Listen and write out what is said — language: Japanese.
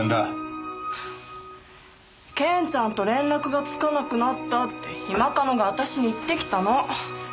ケンちゃんと連絡がつかなくなったって今カノが私に言ってきたの。